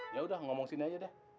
ya udah ngomong sini aja deh